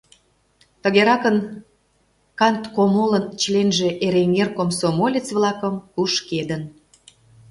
Тыгеракын канткомолын членже Эреҥер комсомолец-влакым «кушкедын».